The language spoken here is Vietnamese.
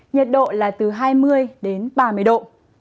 nhiệt độ là từ hai mươi đến ba mươi độ